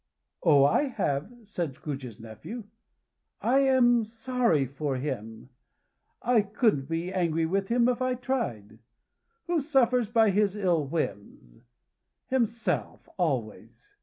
"Oh, I have!" said Scrooge's nephew. "I am sorry for him; I couldn't be angry with him if I tried. Who suffers by his ill whims! Himself, always.